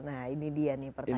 nah ini dia nih pertama